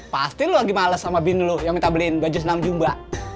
pasti lo lagi males sama bini lo yang minta beliin baju senam jumba